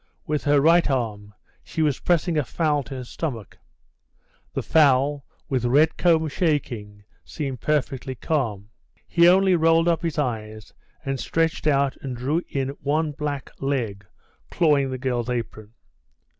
With her right arm she was pressing a fowl to her stomach. The fowl, with red comb shaking, seemed perfectly calm; he only rolled up his eyes and stretched out and drew in one black leg, clawing the girl's apron.